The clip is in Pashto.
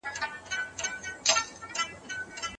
د اوبو چښل د بدن د تندي ماتول دي.